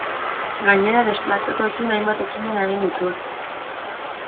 Gainera desplazatuekin hainbat ekimen egin dituzte.